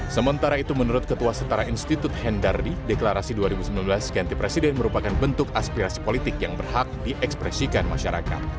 sementara itu menurut ketua setara institut hendardi deklarasi dua ribu sembilan belas ganti presiden merupakan bentuk aspirasi politik yang berhak diekspresikan masyarakat